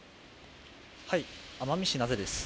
奄美市名瀬です。